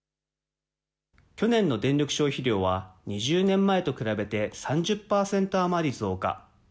去年の電力消費量は２０年前と比べて３０％余り増加。